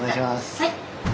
はい。